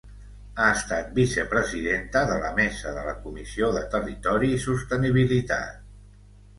Ha estat vicepresidenta de la mesa de la Comissió de Territori i Sostenibilitat.